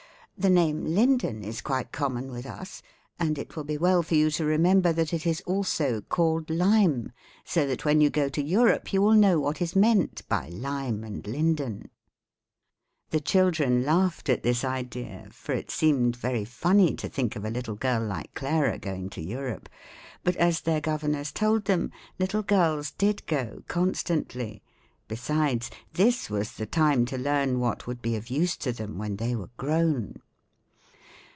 The name linden is quite common with us, and it will be well for you to remember that it is also called lime, so that when you go to Europe you will know what is meant by lime and linden." The children laughed at this idea, for it seemed very funny to think of a little girl like Clara going to Europe, but, as their governess told them, little girls did go constantly; besides, this was the time to learn what would be of use to them when they were grown.